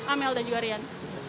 amel dan juga rian